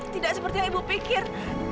tidak seperti yang ibu pikir